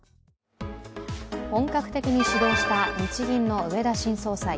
本格的に始動した日銀の植田新総裁。